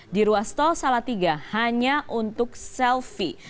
di ruas tol salatiga hanya untuk selfie